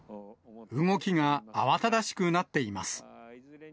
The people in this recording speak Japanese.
動きが慌ただしくなっています。